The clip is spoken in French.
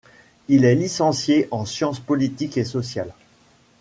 Il est licencié en sciences politiques et sociales.